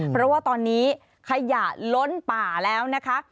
เพราะว่าตอนนี้ขยะล้นป่าแล้วนะคะ